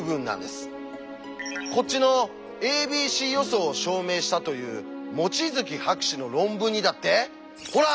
こっちの「ａｂｃ予想」を証明したという望月博士の論文にだってほら！